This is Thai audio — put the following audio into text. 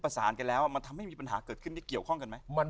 ประสานกันแล้วมันทำให้มีปัญหาเกิดขึ้นที่เกี่ยวข้องกันไหม